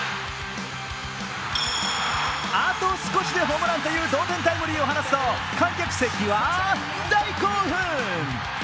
あと少しでホームランという同点タイムリーを放つと観客席は大興奮！